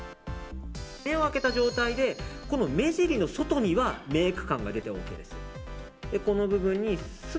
目を開けた状態で目尻の外にはメイク感が出てＯＫです。